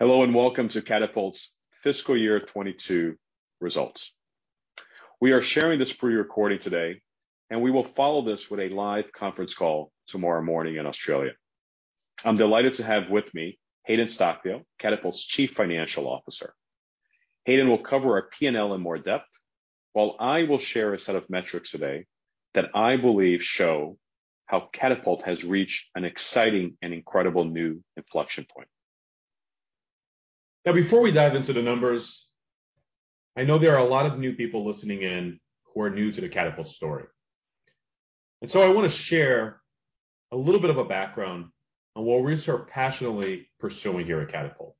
Hello and welcome to Catapult's fiscal year 2022 results. We are sharing this pre-recording today, and we will follow this with a live conference call tomorrow morning in Australia. I'm delighted to have with me Hayden Stockdale, Catapult's Chief Financial Officer. Hayden will cover our P&L in more depth, while I will share a set of metrics today that I believe show how Catapult has reached an exciting and incredible new inflection point. Now, before we dive into the numbers, I know there are a lot of new people listening in who are new to the Catapult story. I want to share a little bit of a background on what we're sort of passionately pursuing here at Catapult.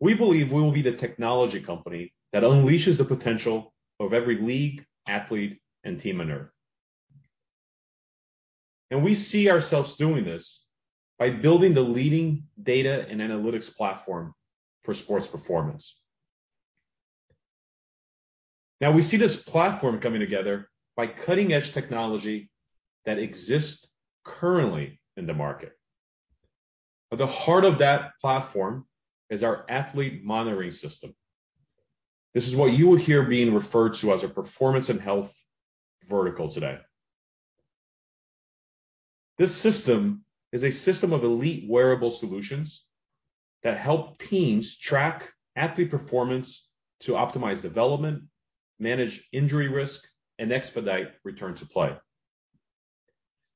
We believe we will be the technology company that unleashes the potential of every league, athlete, and team on Earth. We see ourselves doing this by building the leading data and analytics platform for sports performance. Now, we see this platform coming together by cutting-edge technology that exists currently in the market. At the heart of that platform is our athlete monitoring system. This is what you will hear being referred to as a performance and health vertical today. This system is a system of elite wearable solutions that help teams track athlete performance to optimize development, manage injury risk, and expedite return to play.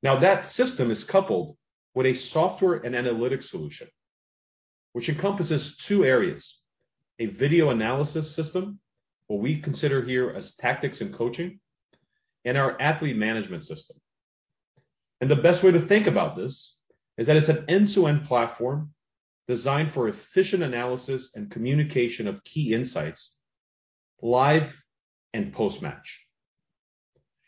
Now, that system is coupled with a software and analytics solution, which encompasses two areas. A video analysis system, what we consider here as tactics and coaching, and our athlete management system. The best way to think about this is that it's an end-to-end platform designed for efficient analysis and communication of key insights, live and post-match.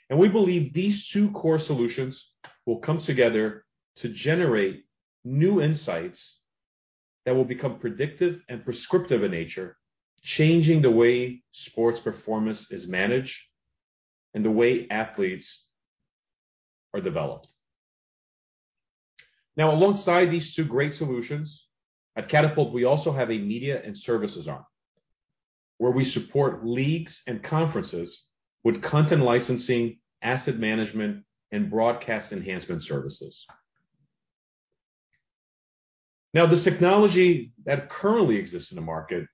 We believe these two core solutions will come together to generate new insights that will become predictive and prescriptive in nature, changing the way sports performance is managed and the way athletes are developed. Now, alongside these two great solutions, at Catapult, we also have a media and services arm, where we support leagues and conferences with content licensing, asset management, and broadcast enhancement services. Now, this technology that currently exists in the market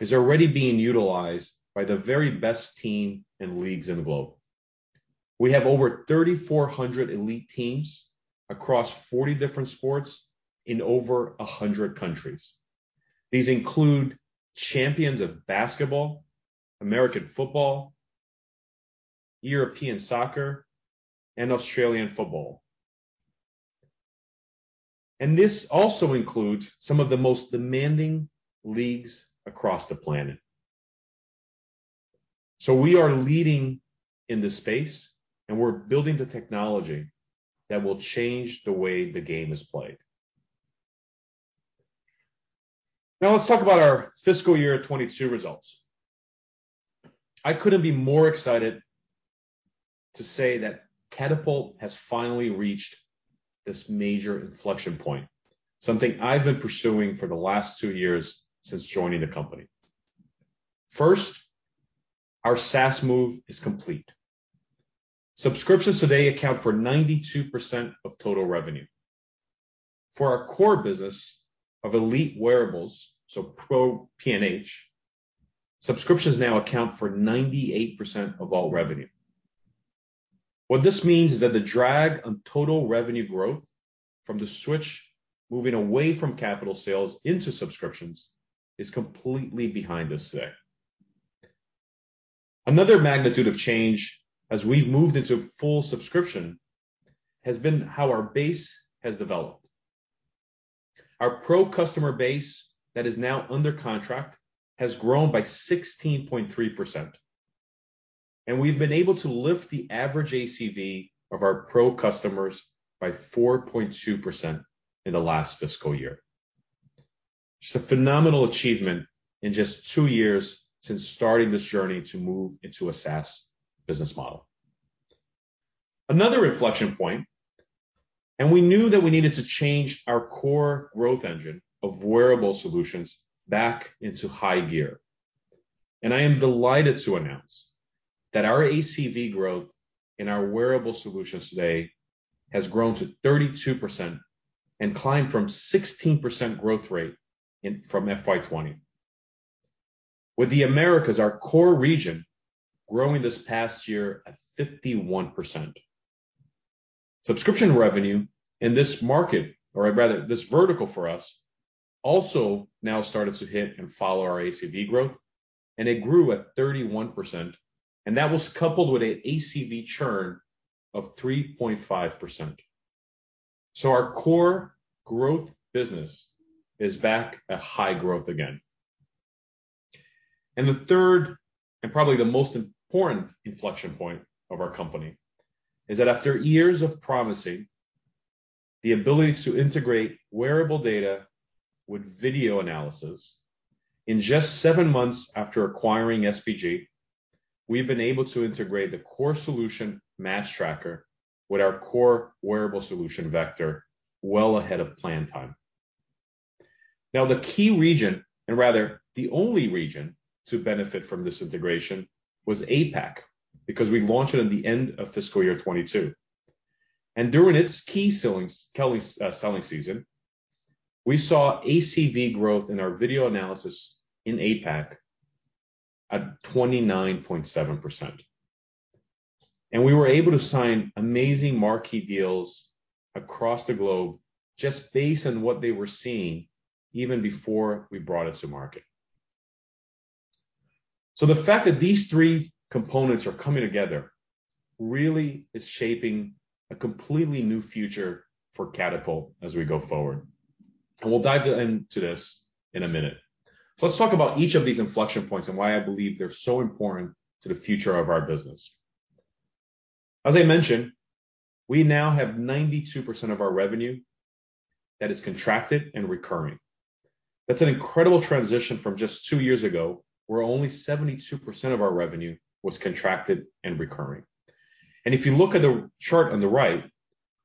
is already being utilized by the very best teams and leagues in the globe. We have over 3,400 elite teams across 40 different sports in over 100 countries. These include champions of basketball, American football, European soccer, and Australian football. This also includes some of the most demanding leagues across the planet. We are leading in this space, and we're building the technology that will change the way the game is played. Now let's talk about our fiscal year 2022 results. I couldn't be more excited to say that Catapult has finally reached this major inflection point, something I've been pursuing for the last two years since joining the company. First, our SaaS move is complete. Subscriptions today account for 92% of total revenue. For our core business of elite wearables, so pro P&H, subscriptions now account for 98% of all revenue. What this means is that the drag on total revenue growth from the switch moving away from capital sales into subscriptions is completely behind us today. Another magnitude of change as we've moved into full subscription has been how our base has developed. Our pro customer base that is now under contract has grown by 16.3%, and we've been able to lift the average ACV of our pro customers by 4.2% in the last fiscal year. It's a phenomenal achievement in just two years since starting this journey to move into a SaaS business model. Another inflection point, and we knew that we needed to change our core growth engine of wearable solutions back into high gear. I am delighted to announce that our ACV growth in our wearable solutions today has grown to 32% and climbed from 16% growth rate from FY 2020. With the Americas, our core region, growing this past year at 51%. Subscription revenue in this market, or rather this vertical for us, also now started to hit and follow our ACV growth, and it grew at 31%, and that was coupled with ACV churn of 3.5%. Our core growth business is back at high growth again. The third, and probably the most important inflection point of our company, is that after years of promising the ability to integrate wearable data with video analysis, in just seven months after acquiring SBG. We've been able to integrate the core solution MatchTracker with our core wearable solution Vector well ahead of plan time. Now, the key region, and rather the only region to benefit from this integration was APAC, because we launched it at the end of fiscal year 2022. During its key selling season, we saw ACV growth in our video analysis in APAC at 29.7%. We were able to sign amazing marquee deals across the globe just based on what they were seeing even before we brought it to market. The fact that these three components are coming together really is shaping a completely new future for Catapult as we go forward, and we'll dive into this in a minute. Let's talk about each of these inflection points and why I believe they're so important to the future of our business. As I mentioned, we now have 92% of our revenue that is contracted and recurring. That's an incredible transition from just two years ago, where only 72% of our revenue was contracted and recurring. If you look at the chart on the right,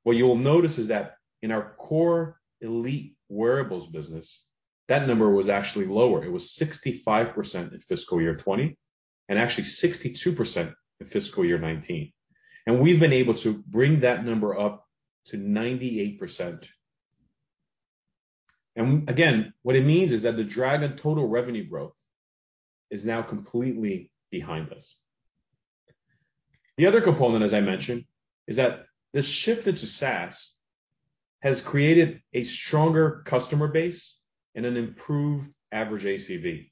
what you'll notice is that in our core elite wearables business, that number was actually lower. It was 65% in fiscal year 2020 and actually 62% in fiscal year 2019. We've been able to bring that number up to 98%. Again, what it means is that the drag on total revenue growth is now completely behind us. The other component, as I mentioned, is that this shift into SaaS has created a stronger customer base and an improved average ACV.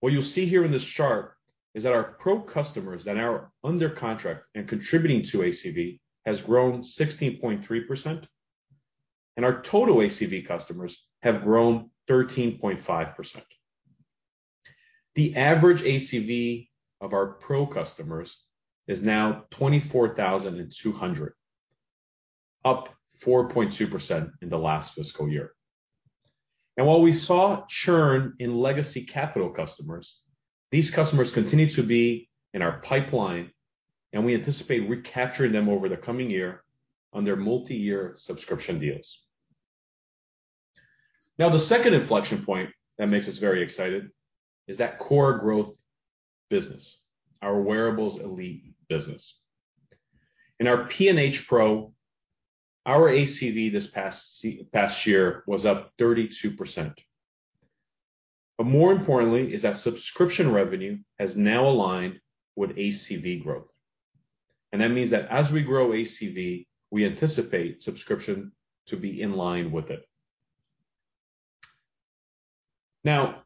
What you'll see here in this chart is that our Pro customers that are under contract and contributing to ACV has grown 16.3%, and our total ACV customers have grown 13.5%. The average ACV of our Pro customers is now $24,200, up 4.2% in the last fiscal year. While we saw churn in legacy capital customers, these customers continue to be in our pipeline, and we anticipate recapturing them over the coming year under multi-year subscription deals. Now, the second inflection point that makes us very excited is that core growth business, our wearables elite business. In our P&H Pro, our ACV this past year was up 32%. More importantly is that subscription revenue has now aligned with ACV growth, and that means that as we grow ACV, we anticipate subscription to be in line with it. Now,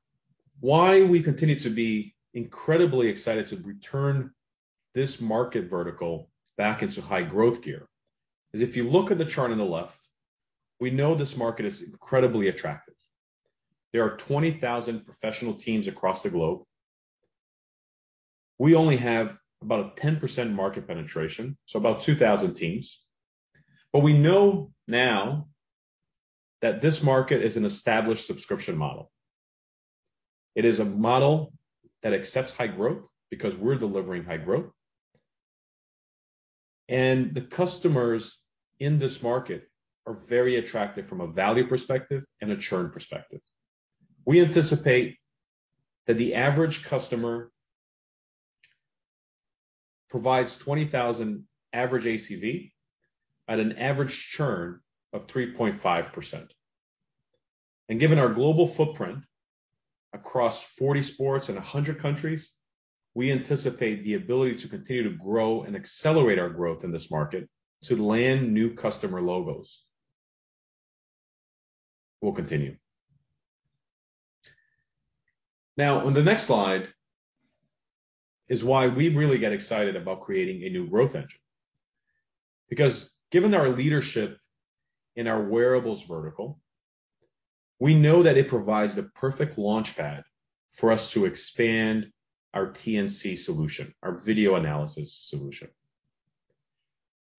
why we continue to be incredibly excited to return this market vertical back into high growth gear is if you look at the chart on the left, we know this market is incredibly attractive. There are 20,000 professional teams across the globe. We only have about a 10% market penetration, so about 2,000 teams. We know now that this market is an established subscription model. It is a model that accepts high growth because we're delivering high growth. The customers in this market are very attractive from a value perspective and a churn perspective. We anticipate that the average customer provides 20,000 average ACV at an average churn of 3.5%. Given our global footprint across 40 sports and 100 countries, we anticipate the ability to continue to grow and accelerate our growth in this market to land new customer logos. We'll continue. Now, on the next slide is why we really get excited about creating a new growth engine. Because given our leadership in our wearables vertical, we know that it provides the perfect launchpad for us to expand our T&C solution, our video analysis solution.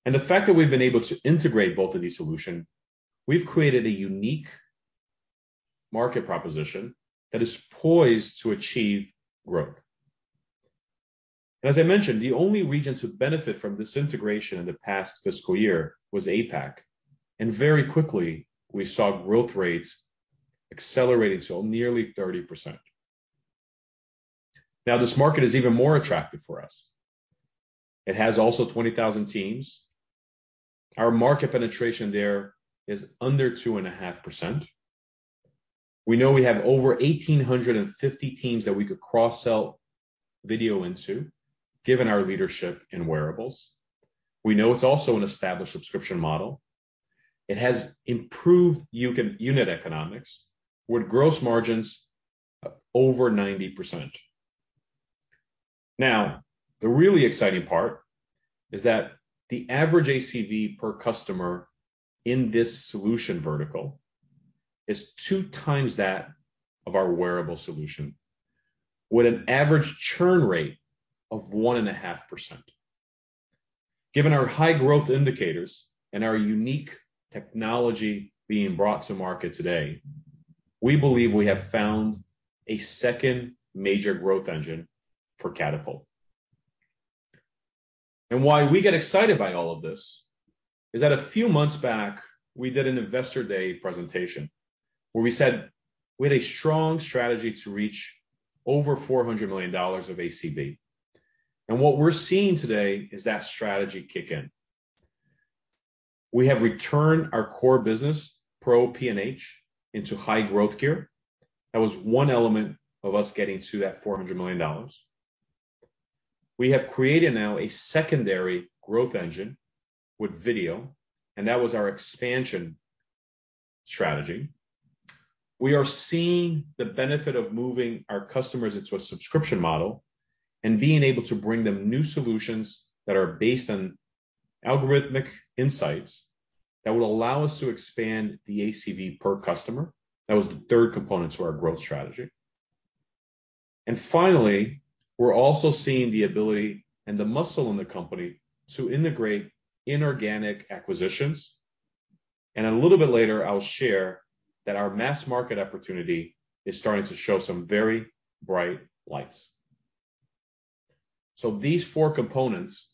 The fact that we've been able to integrate both of these solutions, we've created a unique market proposition that is poised to achieve growth. As I mentioned, the only regions who benefit from this integration in the past fiscal year was APAC, and very quickly, we saw growth rates accelerating to nearly 30%. Now, this market is even more attractive for us. It has also 20,000 teams. Our market penetration there is under 2.5%. We know we have over 1,850 teams that we could cross-sell video into, given our leadership in wearables. We know it's also an established subscription model. It has improved unit economics, with gross margins of over 90%. Now, the really exciting part is that the average ACV per customer in this solution vertical is 2x that of our wearable solution, with an average churn rate of 1.5%. Given our high growth indicators and our unique technology being brought to market today, we believe we have found a second major growth engine for Catapult. Why we get excited by all of this is that a few months back, we did an investor day presentation where we said we had a strong strategy to reach over $400 million of ACV. What we're seeing today is that strategy kick in. We have returned our core business, pro P&H, into high growth gear. That was one element of us getting to that $400 million. We have created now a secondary growth engine with video, and that was our expansion strategy. We are seeing the benefit of moving our customers into a subscription model and being able to bring them new solutions that are based on algorithmic insights that will allow us to expand the ACV per customer. That was the third component to our growth strategy. Finally, we're also seeing the ability and the muscle in the company to integrate inorganic acquisitions. A little bit later, I'll share that our mass market opportunity is starting to show some very bright lights. These four components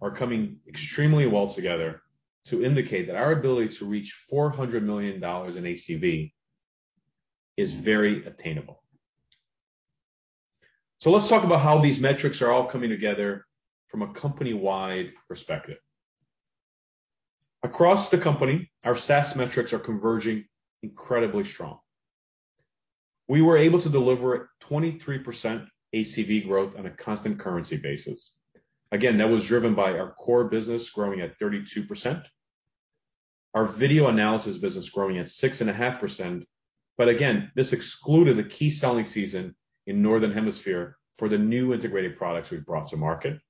are coming extremely well together to indicate that our ability to reach $400 million in ACV is very attainable. Let's talk about how these metrics are all coming together from a company-wide perspective. Across the company, our SaaS metrics are converging incredibly strong. We were able to deliver 23% ACV growth on a constant currency basis. Again, that was driven by our core business growing at 32%, our video analysis business growing at 6.5%. Again, this excluded the key selling season in Northern Hemisphere for the new integrated products we've brought to market.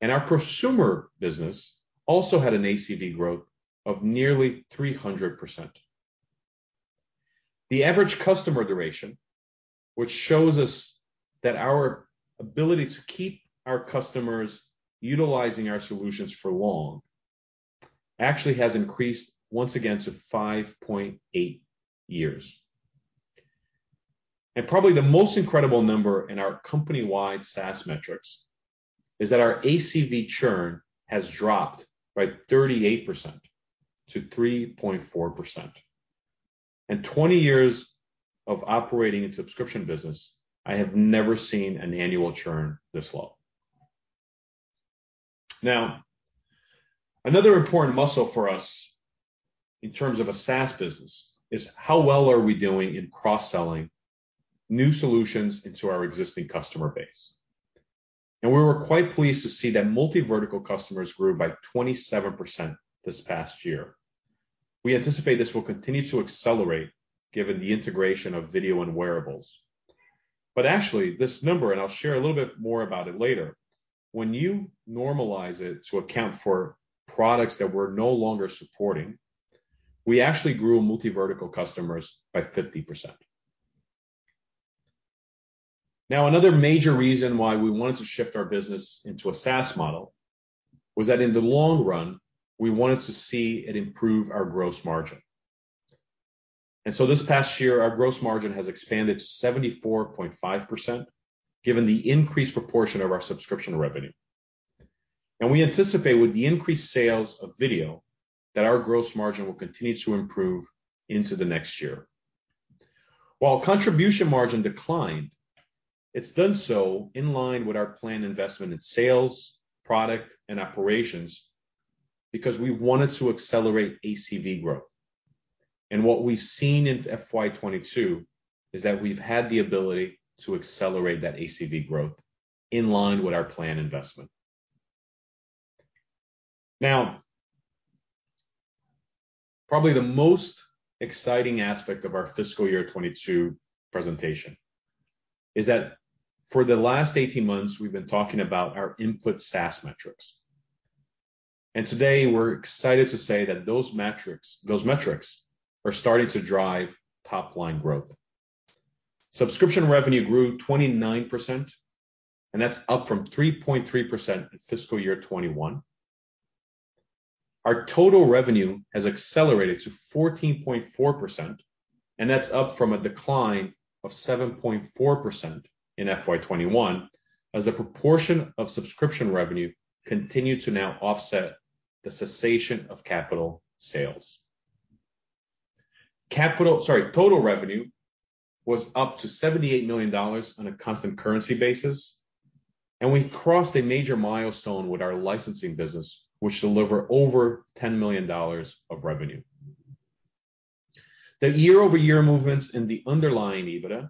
Our prosumer business also had an ACV growth of nearly 300%. The average customer duration, which shows us that our ability to keep our customers utilizing our solutions for long, actually has increased once again to 5.8 years. Probably the most incredible number in our company-wide SaaS metrics is that our ACV churn has dropped by 38% to 3.4%. In 20 years of operating a subscription business, I have never seen an annual churn this low. Now, another important muscle for us in terms of a SaaS business is how well are we doing in cross-selling new solutions into our existing customer base? We were quite pleased to see that multi-vertical customers grew by 27% this past year. We anticipate this will continue to accelerate given the integration of video and wearables. Actually, this number, and I'll share a little bit more about it later, when you normalize it to account for products that we're no longer supporting, we actually grew multi-vertical customers by 50%. Now, another major reason why we wanted to shift our business into a SaaS model was that in the long run, we wanted to see it improve our gross margin. This past year, our gross margin has expanded to 74.5% given the increased proportion of our subscription revenue. We anticipate with the increased sales of video that our gross margin will continue to improve into the next year. While contribution margin declined, it's done so in line with our planned investment in sales, product, and operations because we wanted to accelerate ACV growth. What we've seen in FY 2022 is that we've had the ability to accelerate that ACV growth in line with our planned investment. Now, probably the most exciting aspect of our fiscal year 2022 presentation is that for the last 18 months, we've been talking about our input SaaS metrics. Today, we're excited to say that those metrics are starting to drive top-line growth. Subscription revenue grew 29%, and that's up from 3.3% in fiscal year 2021. Our total revenue has accelerated to 14.4%, and that's up from a decline of 7.4% in FY 2021 as the proportion of subscription revenue continue to now offset the cessation of capital sales. Sorry, total revenue was up to $78 million on a constant currency basis, and we crossed a major milestone with our licensing business, which delivered over $10 million of revenue. The year-over-year movements in the underlying EBITDA,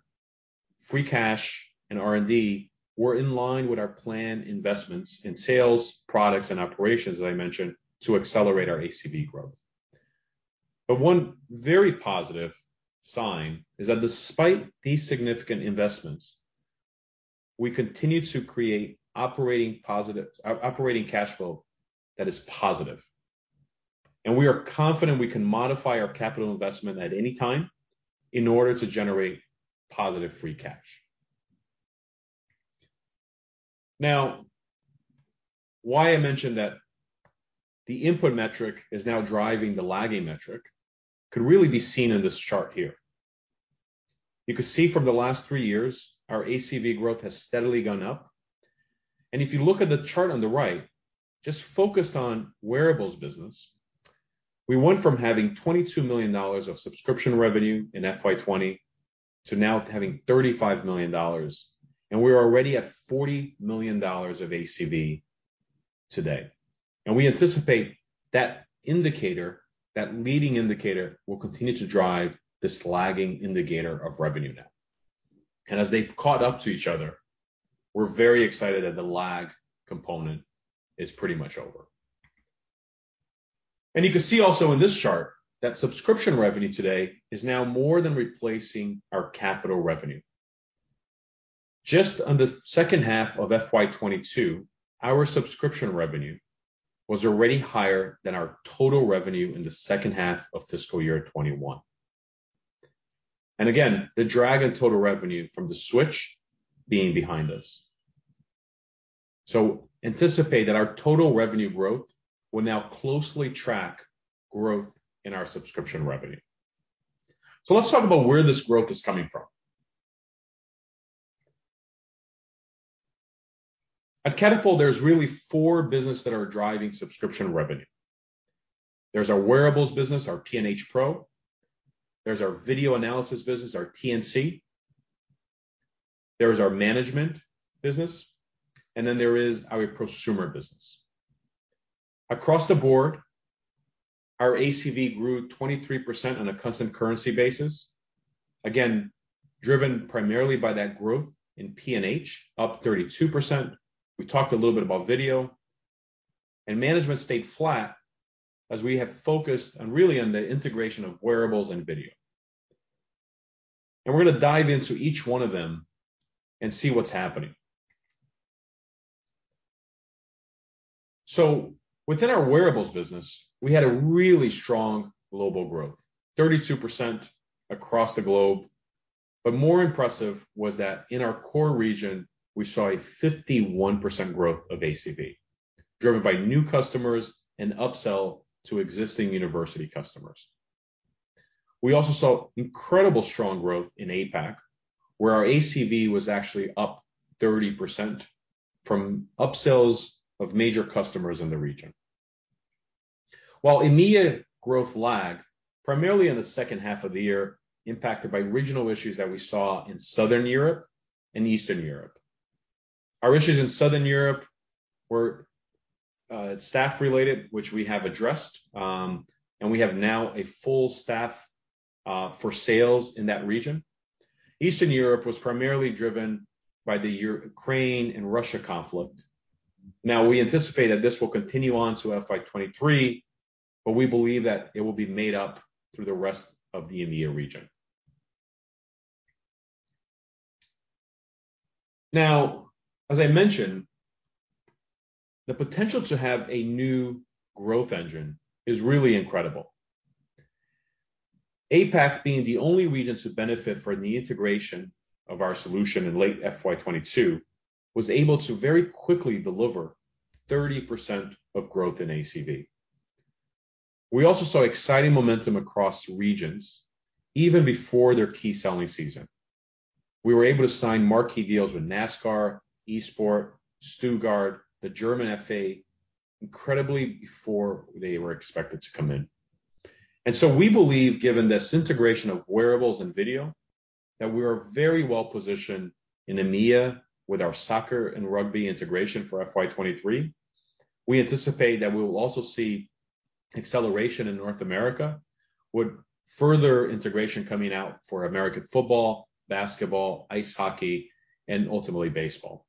free cash, and R&D were in line with our planned investments in sales, products, and operations, as I mentioned, to accelerate our ACV growth. One very positive sign is that despite these significant investments, we continue to create positive operating cash flow that is positive. We are confident we can modify our capital investment at any time in order to generate positive free cash. Now, why I mentioned that the input metric is now driving the lagging metric could really be seen in this chart here. You can see from the last three years, our ACV growth has steadily gone up. If you look at the chart on the right, just focused on wearables business, we went from having $22 million of subscription revenue in FY 2020 to now having $35 million, and we're already at $40 million of ACV today. We anticipate that indicator, that leading indicator, will continue to drive this lagging indicator of revenue now. As they've caught up to each other, we're very excited that the lag component is pretty much over. You can see also in this chart that subscription revenue today is now more than replacing our capital revenue. Just on the second half of FY 2022, our subscription revenue was already higher than our total revenue in the second half of fiscal year 2021. Again, the drag in total revenue from the switch being behind us. Anticipate that our total revenue growth will now closely track growth in our subscription revenue. Let's talk about where this growth is coming from. At Catapult, there's really four business that are driving subscription revenue. There's our wearables business, our P&H Pro. There's our video analysis business, our T&C. There's our management business, and then there is our prosumer business. Across the board, our ACV grew 23% on a constant currency basis, again, driven primarily by that growth in P&H, up 32%. We talked a little bit about video. Management stayed flat as we have focused on really on the integration of wearables and video. We're gonna dive into each one of them and see what's happening. Within our wearables business, we had a really strong global growth, 32% across the globe. More impressive was that in our core region, we saw a 51% growth of ACV, driven by new customers and upsell to existing university customers. We also saw incredible strong growth in APAC, where our ACV was actually up 30% from upsells of major customers in the region. While EMEA growth lagged, primarily in the second half of the year, impacted by regional issues that we saw in Southern Europe and Eastern Europe. Our issues in Southern Europe were staff-related, which we have addressed, and we have now a full staff for sales in that region. Eastern Europe was primarily driven by the Ukraine and Russia conflict. Now, we anticipate that this will continue on to FY 2023, but we believe that it will be made up through the rest of the EMEA region. Now, as I mentioned, the potential to have a new growth engine is really incredible. APAC being the only region to benefit from the integration of our solution in late FY 2022, was able to very quickly deliver 30% of growth in ACV. We also saw exciting momentum across regions, even before their key selling season. We were able to sign marquee deals with NASCAR, Eintracht Frankfurt, VfB Stuttgart, the German Football Association, incredibly before they were expected to come in. We believe, given this integration of wearables and video, that we are very well positioned in EMEA with our soccer and rugby integration for FY 2023. We anticipate that we will also see acceleration in North America, with further integration coming out for American football, basketball, ice hockey, and ultimately baseball.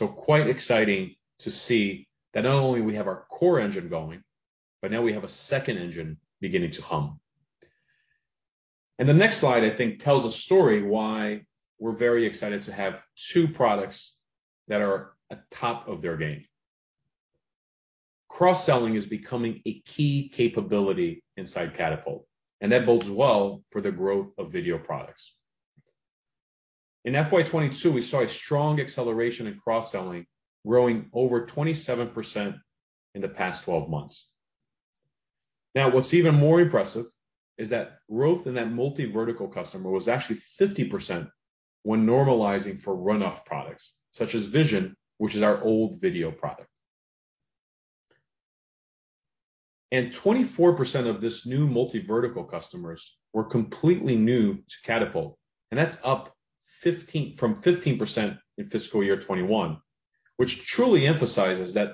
Quite exciting to see that not only we have our core engine going, but now we have a second engine beginning to hum. The next slide, I think, tells a story why we're very excited to have two products that are at top of their game. Cross-selling is becoming a key capability inside Catapult, and that bodes well for the growth of video products. In FY 2022, we saw a strong acceleration in cross-selling, growing over 27% in the past twelve months. Now, what's even more impressive is that growth in that multi-vertical customer was actually 50% when normalizing for run-off products, such as Vision, which is our old video product. 24% of this new multi-vertical customers were completely new to Catapult, and that's up from 15% in fiscal year 2021, which truly emphasizes that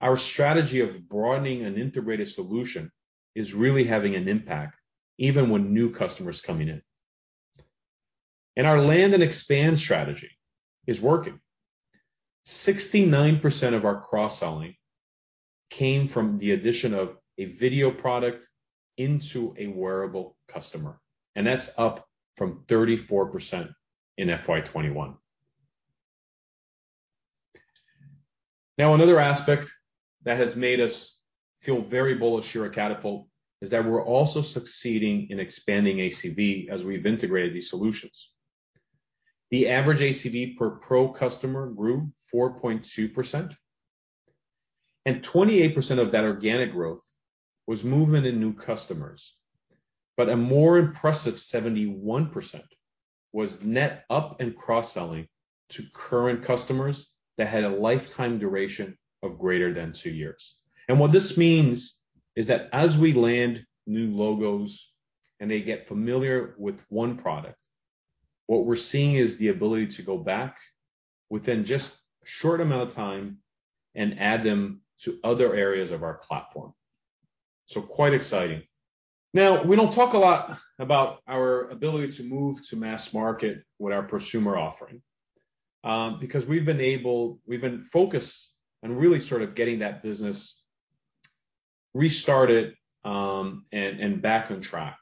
our strategy of broadening an integrated solution is really having an impact, even with new customers coming in. Our land and expand strategy is working. 69% of our cross-selling came from the addition of a video product into a wearable customer, and that's up from 34% in FY 2021. Now, another aspect that has made us feel very bullish here at Catapult is that we're also succeeding in expanding ACV as we've integrated these solutions. The average ACV per Pro customer grew 4.2%, and 28% of that organic growth was movement in new customers. A more impressive 71% was net upsell and cross-selling to current customers that had a lifetime duration of greater than two years. What this means is that as we land new logos and they get familiar with one product, what we're seeing is the ability to go back within just a short amount of time and add them to other areas of our platform. Quite exciting. We don't talk a lot about our ability to move to mass market with our prosumer offering, because we've been focused on really sort of getting that business restarted, and back on track.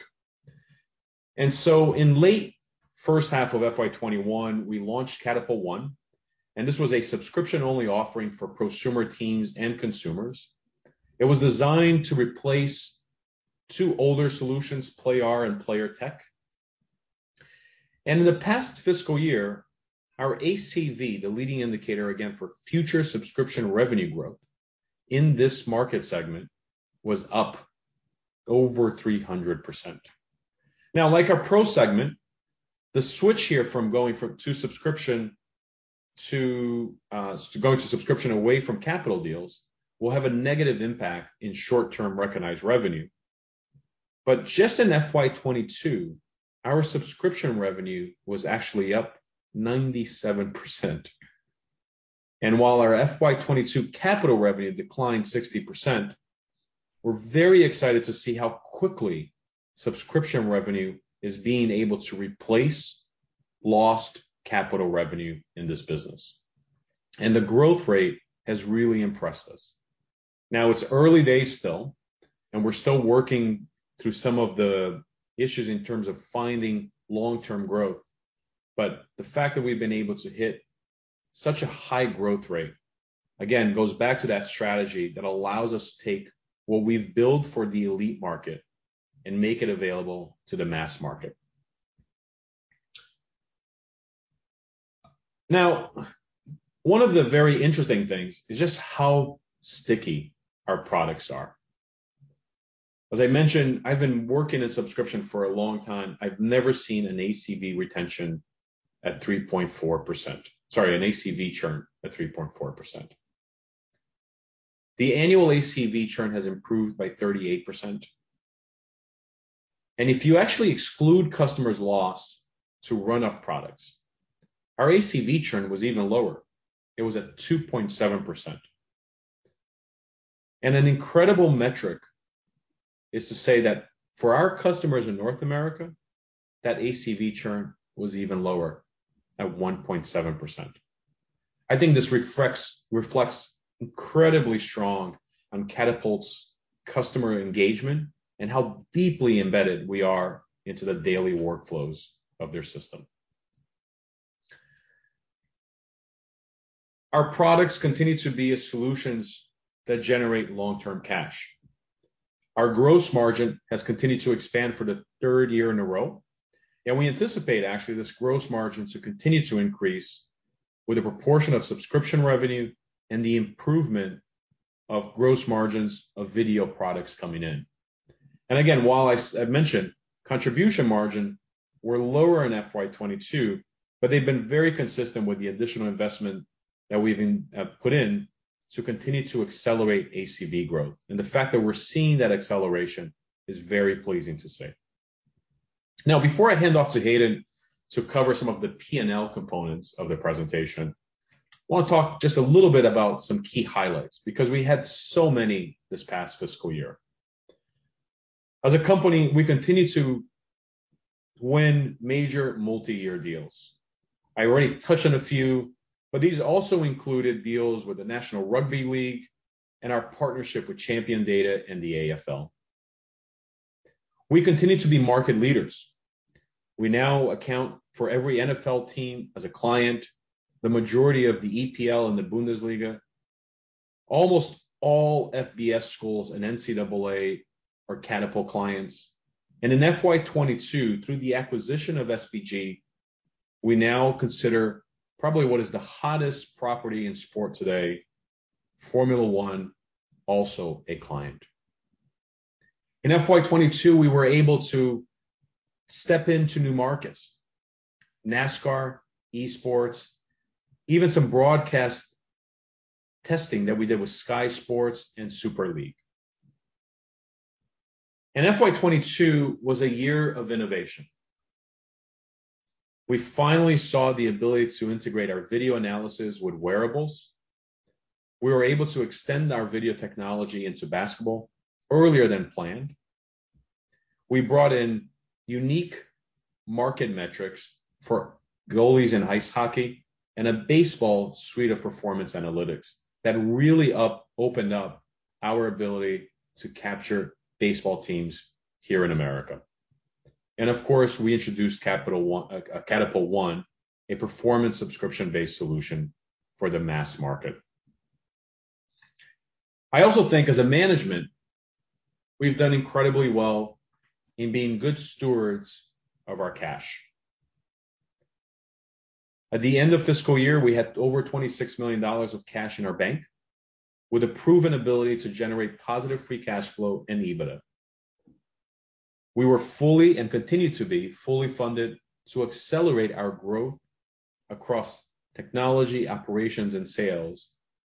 In late first half of FY 2021, we launched Catapult One, and this was a subscription-only offering for prosumer teams and consumers. It was designed to replace two older solutions, PLAYR and PlayerTek. In the past fiscal year, our ACV, the leading indicator again for future subscription revenue growth in this market segment, was up over 300%. Now, like our Pro segment, the switch here from going to subscription away from capital deals will have a negative impact in short-term recognized revenue. Just in FY 2022, our subscription revenue was actually up 97%. While our FY 2022 capital revenue declined 60%, we're very excited to see how quickly subscription revenue is being able to replace lost capital revenue in this business. The growth rate has really impressed us. Now, it's early days still, and we're still working through some of the issues in terms of finding long-term growth, but the fact that we've been able to hit such a high growth rate again goes back to that strategy that allows us to take what we've built for the elite market and make it available to the mass market. Now, one of the very interesting things is just how sticky our products are. As I mentioned, I've been working in subscription for a long time. I've never seen an ACV churn at 3.4%. The annual ACV churn has improved by 38%. If you actually exclude customers lost to run-off products, our ACV churn was even lower. It was at 2.7%. An incredible metric is to say that for our customers in North America, that ACV churn was even lower at 1.7%. I think this reflects incredibly strong on Catapult's customer engagement and how deeply embedded we are into the daily workflows of their system. Our products continue to be solutions that generate long-term cash. Our gross margin has continued to expand for the third year in a row, and we anticipate actually this gross margin to continue to increase with a proportion of subscription revenue and the improvement of gross margins of video products coming in. Again, while I mentioned contribution margin were lower in FY 2022, but they've been very consistent with the additional investment that we've put in to continue to accelerate ACV growth. The fact that we're seeing that acceleration is very pleasing to see. Now, before I hand off to Hayden to cover some of the P&L components of the presentation, I want to talk just a little bit about some key highlights because we had so many this past fiscal year. As a company, we continue to win major multi-year deals. I already touched on a few, but these also included deals with the National Rugby League and our partnership with Champion Data and the AFL. We continue to be market leaders. We now account for every NFL team as a client, the majority of the EPL and the Bundesliga. Almost all FBS schools and NCAA are Catapult clients. In FY 2022, through the acquisition of SBG, we now consider probably what is the hottest property in sport today, Formula One, also a client. In FY 2022, we were able to step into new markets, NASCAR, eSports, even some broadcast testing that we did with Sky Sports and Super League. FY 2022 was a year of innovation. We finally saw the ability to integrate our video analysis with wearables. We were able to extend our video technology into basketball earlier than planned. We brought in unique market metrics for goalies in ice hockey and a baseball suite of performance analytics that really opened up our ability to capture baseball teams here in America. Of course, we introduced Catapult One, a performance subscription-based solution for the mass market. I also think as a management, we've done incredibly well in being good stewards of our cash. At the end of fiscal year, we had over $26 million of cash in our bank, with a proven ability to generate positive free cash flow and EBITDA. We were fully, and continue to be, fully funded to accelerate our growth across technology, operations, and sales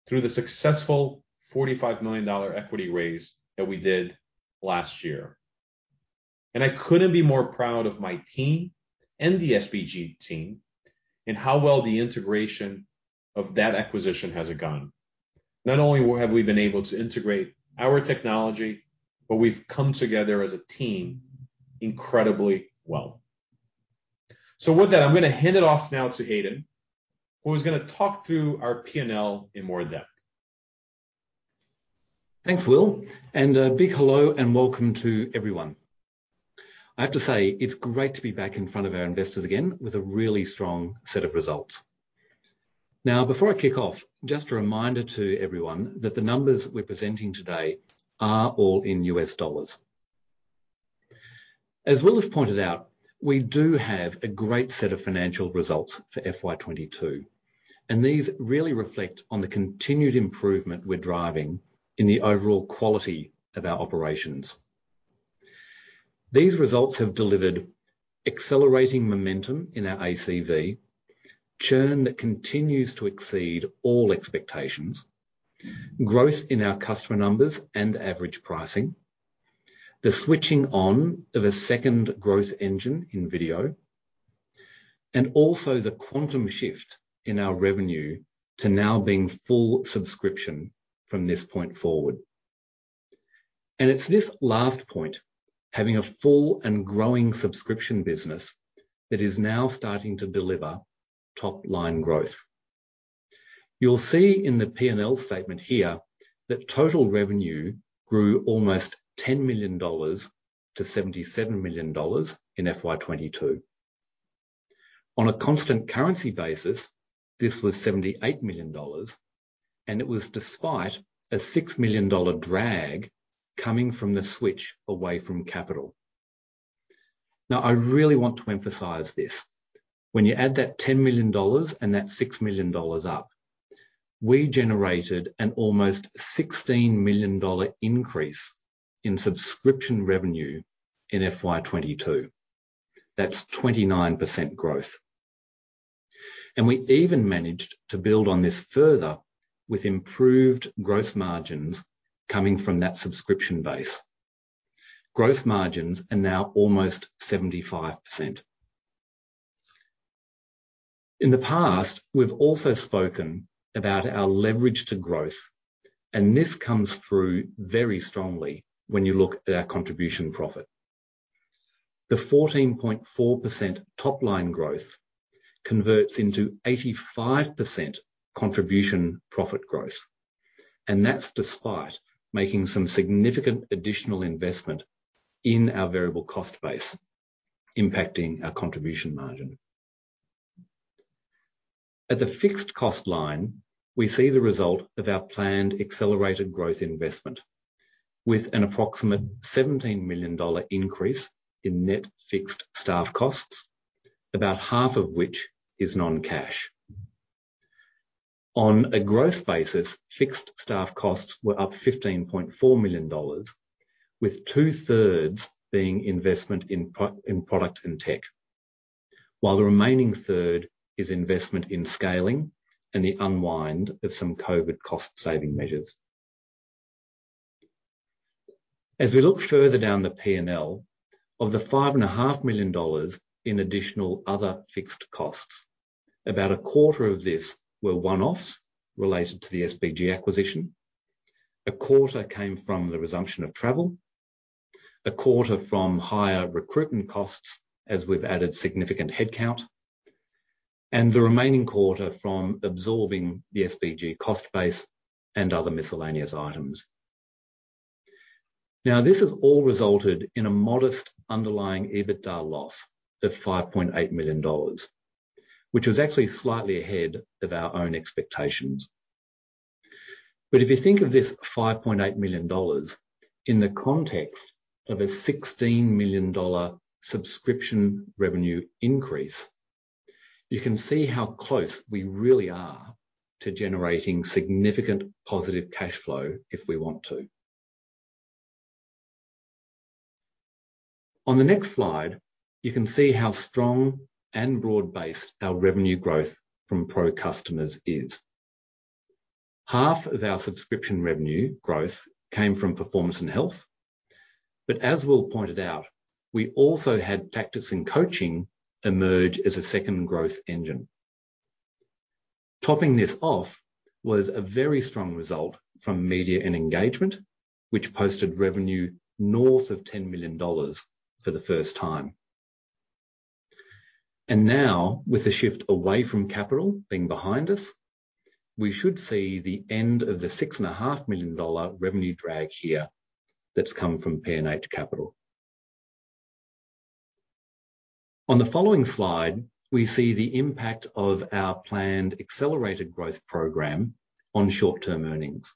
through the successful $45 million equity raise that we did last year. I couldn't be more proud of my team and the SBG team and how well the integration of that acquisition has gone. Not only have we been able to integrate our technology, but we've come together as a team incredibly well. With that, I'm gonna hand it off now to Hayden, who is gonna talk through our P&L in more depth. Thanks, Will, and a big hello and welcome to everyone. I have to say, it's great to be back in front of our investors again with a really strong set of results. Now, before I kick off, just a reminder to everyone that the numbers we're presenting today are all in US dollars. As Will has pointed out, we do have a great set of financial results for FY 2022, and these really reflect on the continued improvement we're driving in the overall quality of our operations. These results have delivered accelerating momentum in our ACV, churn that continues to exceed all expectations, growth in our customer numbers and average pricing, the switching on of a second growth engine in video, and also the quantum shift in our revenue to now being full subscription from this point forward. It's this last point, having a full and growing subscription business, that is now starting to deliver top-line growth. You'll see in the P&L statement here that total revenue grew almost $10 million to $77 million in FY 2022. On a constant currency basis, this was $78 million, and it was despite a $6 million drag coming from the switch away from capital. Now, I really want to emphasize this. When you add that $10 million and that $6 million up, we generated an almost $16 million increase in subscription revenue in FY 2022. That's 29% growth. We even managed to build on this further with improved gross margins coming from that subscription base. Gross margins are now almost 75%. In the past, we've also spoken about our leverage to growth, and this comes through very strongly when you look at our contribution profit. The 14.4% top-line growth converts into 85% contribution profit growth, and that's despite making some significant additional investment in our variable cost base, impacting our contribution margin. At the fixed cost line, we see the result of our planned accelerated growth investment with an approximate $17 million increase in net fixed staff costs, about half of which is non-cash. On a gross basis, fixed staff costs were up $15.4 million, with two-thirds being investment in product and tech, while the remaining third is investment in scaling and the unwind of some COVID cost-saving measures. As we look further down the P&L, of the $5.5 million in additional other fixed costs, about a quarter of this were one-offs related to the SBG acquisition. A quarter came from the resumption of travel, a quarter from higher recruitment costs as we've added significant headcount, and the remaining quarter from absorbing the SBG cost base and other miscellaneous items. Now, this has all resulted in a modest underlying EBITDA loss of $5.8 million, which was actually slightly ahead of our own expectations. If you think of this $5.8 million in the context of a $16 million subscription revenue increase, you can see how close we really are to generating significant positive cash flow if we want to. On the next slide, you can see how strong and broad-based our revenue growth from pro customers is. Half of our subscription revenue growth came from Performance and Health. As Will pointed out, we also had Tactics and Coaching emerge as a second growth engine. Topping this off was a very strong result from Media and Engagement, which posted revenue north of $10 million for the first time. Now with the shift away from capital being behind us, we should see the end of the $6.5 million revenue drag here that's come from P&H Capital. On the following slide, we see the impact of our planned accelerated growth program on short-term earnings.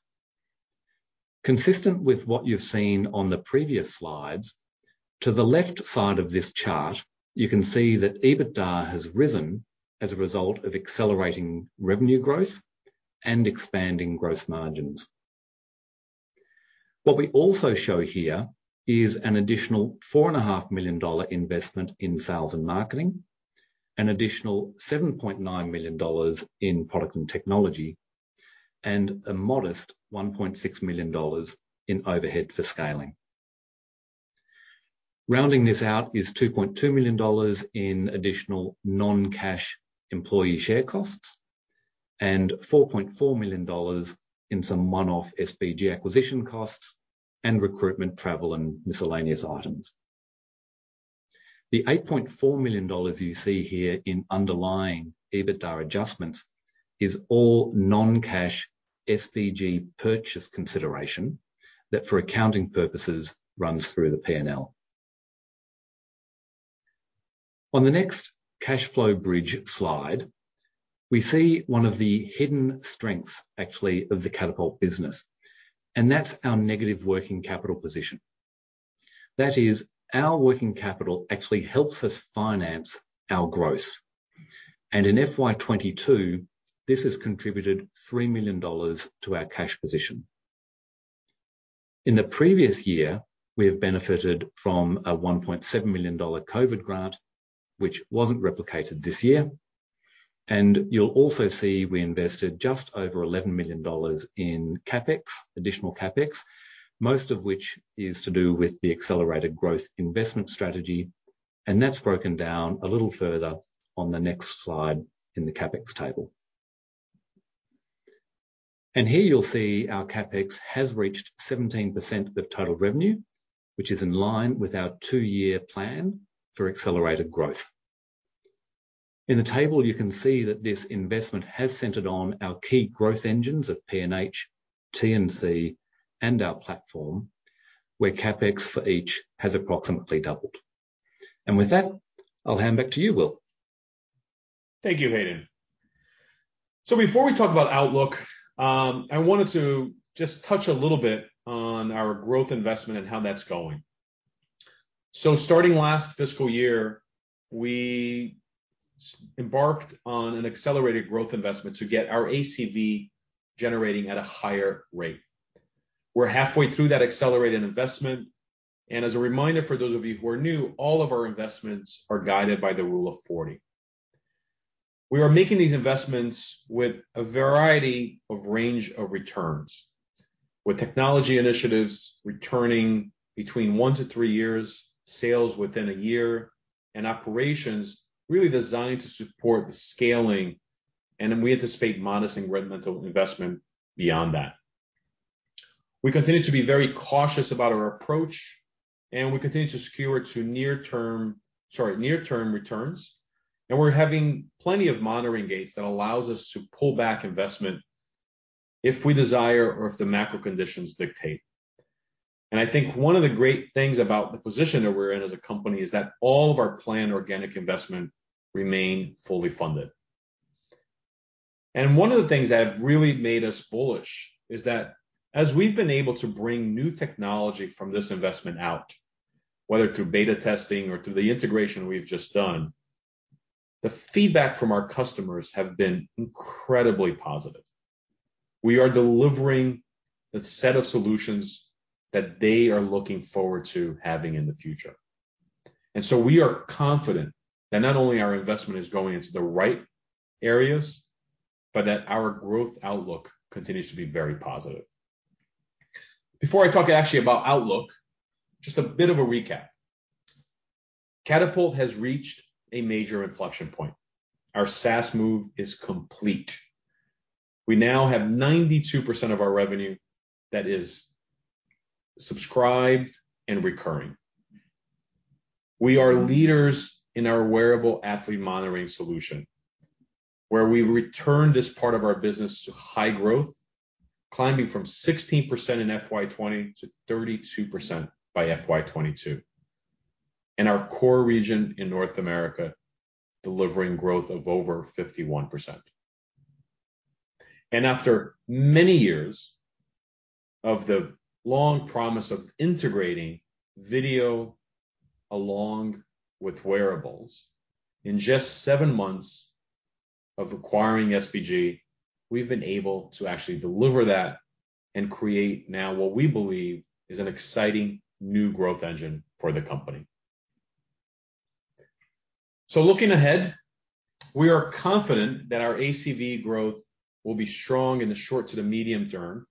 Consistent with what you've seen on the previous slides, to the left side of this chart, you can see that EBITDA has risen as a result of accelerating revenue growth and expanding gross margins. What we also show here is an additional $4.5 million investment in sales and marketing, an additional $7.9 million in product and technology, and a modest $1.6 million in overhead for scaling. Rounding this out is $2.2 million in additional non-cash employee share costs and $4.4 million in some one-off SBG acquisition costs and recruitment, travel, and miscellaneous items. The $8.4 million you see here in underlying EBITDA adjustments is all non-cash SBG purchase consideration that, for accounting purposes, runs through the P&L. On the next cash flow bridge slide, we see one of the hidden strengths actually of the Catapult business, and that's our negative working capital position. That is, our working capital actually helps us finance our growth. In FY 2022, this has contributed $3 million to our cash position. In the previous year, we have benefited from a $1.7 million COVID grant, which wasn't replicated this year. You'll also see we invested just over $11 million in CapEx, additional CapEx, most of which is to do with the accelerated growth investment strategy, and that's broken down a little further on the next slide in the CapEx table. Here you'll see our CapEx has reached 17% of total revenue, which is in line with our two-year plan for accelerated growth. In the table, you can see that this investment has centered on our key growth engines of P&H, T&C, and our platform, where CapEx for each has approximately doubled. With that, I'll hand back to you, Will. Thank you, Hayden. Before we talk about outlook, I wanted to just touch a little bit on our growth investment and how that's going. Starting last fiscal year, we embarked on an accelerated growth investment to get our ACV generating at a higher rate. We're halfway through that accelerated investment, and as a reminder for those of you who are new, all of our investments are guided by the Rule of 40. We are making these investments with a variety of range of returns, with technology initiatives returning between one to three years, sales within a year, and operations really designed to support the scaling, and we anticipate modest incremental investment beyond that. We continue to be very cautious about our approach, and we continue to skew to near-term returns, and we're having plenty of monitoring gates that allows us to pull back investment if we desire or if the macro conditions dictate. I think one of the great things about the position that we're in as a company is that all of our planned organic investment remain fully funded. One of the things that have really made us bullish is that as we've been able to bring new technology from this investment out, whether through beta testing or through the integration we've just done, the feedback from our customers have been incredibly positive. We are delivering the set of solutions that they are looking forward to having in the future. We are confident that not only our investment is going into the right areas, but that our growth outlook continues to be very positive. Before I talk actually about outlook, just a bit of a recap. Catapult has reached a major inflection point. Our SaaS move is complete. We now have 92% of our revenue that is subscribed and recurring. We are leaders in our wearable athlete monitoring solution, where we've returned this part of our business to high growth, climbing from 16% in FY 2020 to 32% by FY 2022. In our core region in North America, delivering growth of over 51%. After many years of the long promise of integrating video along with wearables, in just seven months of acquiring SBG, we've been able to actually deliver that and create now what we believe is an exciting new growth engine for the company. Looking ahead, we are confident that our ACV growth will be strong in the short to the medium term,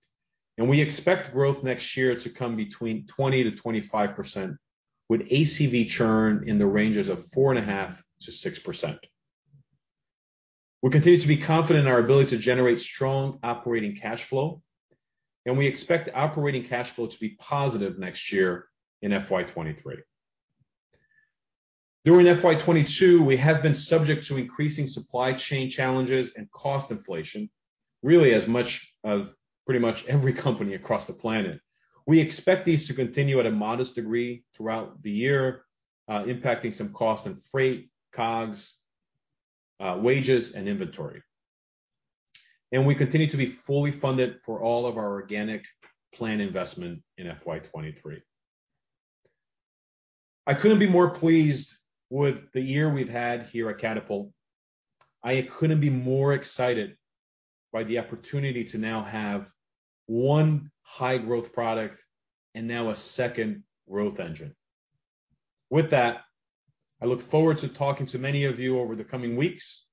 and we expect growth next year to come between 20%-25% with ACV churn in the ranges of 4.5%-6%. We continue to be confident in our ability to generate strong operating cash flow, and we expect operating cash flow to be positive next year in FY 2023. During FY 2022, we have been subject to increasing supply chain challenges and cost inflation, really as much of pretty much every company across the planet. We expect these to continue at a modest degree throughout the year, impacting some cost and freight, COGS, wages and inventory. We continue to be fully funded for all of our organic planned investment in FY 2023. I couldn't be more pleased with the year we've had here at Catapult. I couldn't be more excited by the opportunity to now have one high growth product and now a second growth engine. With that, I look forward to talking to many of you over the coming weeks.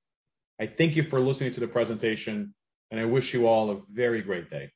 I thank you for listening to the presentation, and I wish you all a very great day.